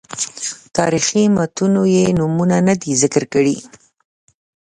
تاریخي متونو یې نومونه نه دي ذکر کړي.